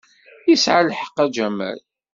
Yesɛa lḥeqq a Jamal.